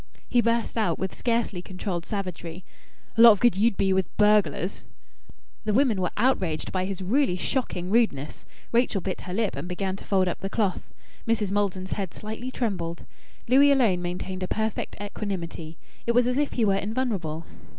He burst out with scarcely controlled savagery "A lot of good you'd be with burglars!" The women were outraged by his really shocking rudeness. Rachel bit her lip and began to fold up the cloth. Mrs. Maldon's head slightly trembled. Louis alone maintained a perfect equanimity. It was as if he were invulnerable.